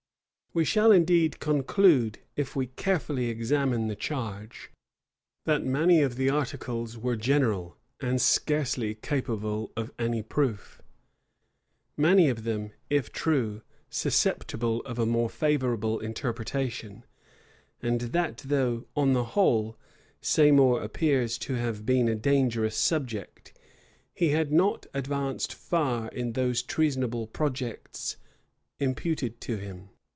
We shall indeed conclude, if we carefully examine the charge, that many of the articles were general, and scarcely capable of any proof many of them, if true, susceptible of a more favorable interpretation; and that though, on the whole, Seymour appears to have been a dangerous subject, he had not advanced far in those treasonable projects imputed to him.